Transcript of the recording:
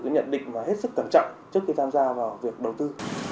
nhận định và hết sức cẩn trọng trước khi tham gia vào việc đầu tư